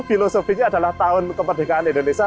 filosofinya adalah tahun kemerdekaan indonesia